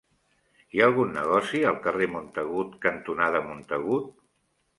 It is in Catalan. Hi ha algun negoci al carrer Montagut cantonada Montagut?